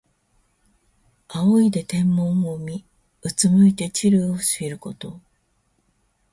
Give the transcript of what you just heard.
仰いで天文を見、うつむいて地理を知ること。